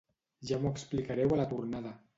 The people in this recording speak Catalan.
Ja m'ho explicareu a la tornada.